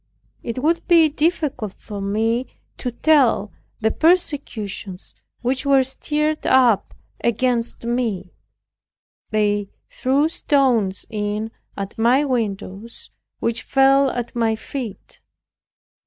It would be difficult for me to tell the persecutions which were stirred up against me. They threw stones in at my windows which fell at my feet.